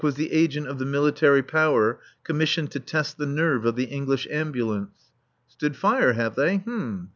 was the agent of the Military Power, commissioned to test the nerve of the English Ambulance. ("Stood fire, have they?